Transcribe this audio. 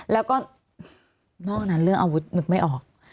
แล้วก็นอกนั้นเรื่องอาวุธนึกไม่ออก